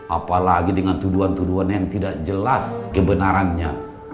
apalagi dengan tuduhan tuduhan yang tidak jelas kebenarannya